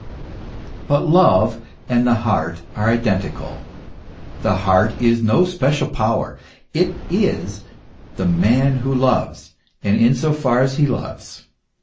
But love and the heart are identical; the heart is no special power ; it is the man who loves, and in so far as he loves.